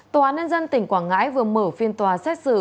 tòa án nhân dân tỉnh quảng ngãi vừa mở phiên tòa xét xử